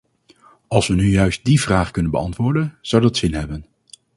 Als we nu juist die vraag kunnen beantwoorden, zou dat zin hebben.